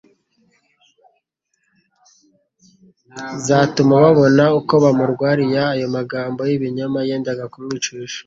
zatuma babona uko bamurwariya, ayo magambo y'ibinyoma yendaga kumwicisha,